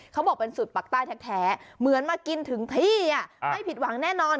เขาบอกเป็นสูตรปักใต้แท้เหมือนมากินถึงที่ไม่ผิดหวังแน่นอน